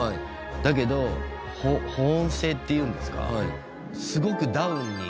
だけど保温性っていうんですか？